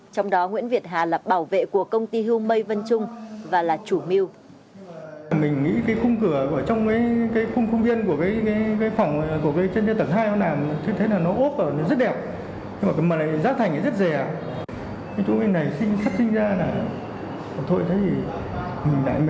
trong đó nguyễn việt hà là bảo vệ của công ty humei vân trung và là chủ mưu